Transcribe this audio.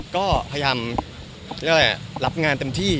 ก็พยายามรับงานเต็มที่